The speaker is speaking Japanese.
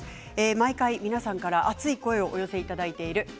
毎回、皆さんから熱い声をお寄せいただいている「＃